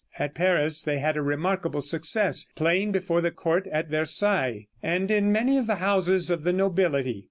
At Paris they had a remarkable success, playing before the court at Versailles, and in many of the houses of the nobility.